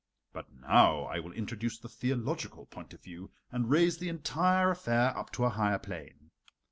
But now I will introduce the theological point of view, and raise the entire affair up to a higher plane.